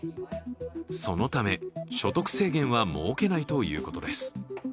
そのため、所得制限は設けないということです。